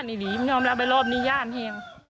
มันทำลายไปรอบหนี้ย่านเอะ